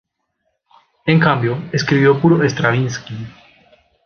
En cambio, ""escribió puro Stravinsky"".